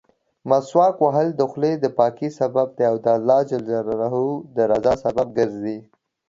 مسواک وهل د خولې دپاکۍسبب دی او د الله جل جلاله درضا سبب ګرځي.